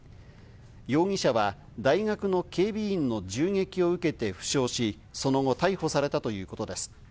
容疑者は大学の警備員の銃撃を受けて負傷し、その後、逮捕されたということです。